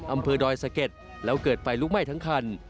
อำเภอดอยสะเก็ดแล้วเกิดไฟลุกไหม้ทั้งคัน